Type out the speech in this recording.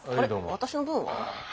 私の分は？